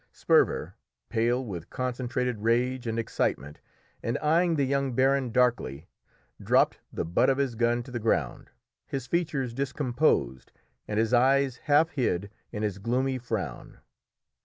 Sperver, pale with concentrated rage and excitement, and eyeing the young baron darkly, dropped the butt of his gun to the ground, his features discomposed, and his eyes half hid in his gloomy frown.